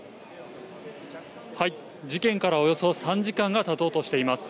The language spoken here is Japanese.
事件からおよそ３時間がたとうとしています。